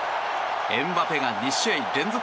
エムバペが２試合連続